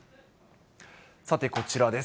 さてこちらです。